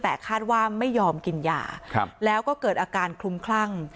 แต่คาดว่าไม่ยอมกินยาแล้วก็เกิดอาการคลุมคลั่ง